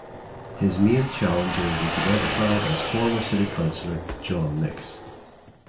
His main challenger was identified as former city councilor John Nix.